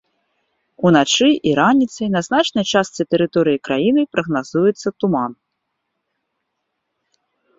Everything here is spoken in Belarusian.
Уначы і раніцай на значнай частцы тэрыторыі краіны прагназуецца туман.